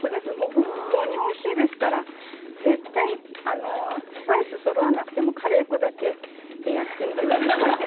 本当においしいですから絶対に、スパイスがそろわなくてもカレー粉だけでやってみてください。